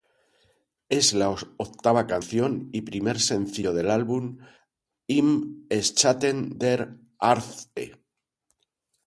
Es la octava canción y primer sencillo del álbum Im Schatten der Ärzte.